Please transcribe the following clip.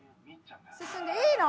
進んでいいの！？